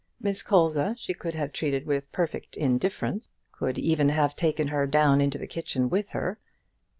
Miss Colza she could have treated with perfect indifference could even have taken her down into the kitchen with her.